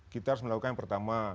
kita harus melakukan yang pertama